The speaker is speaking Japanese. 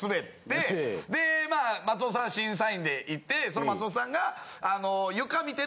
で松本さんが審査員でいてその松本さんが。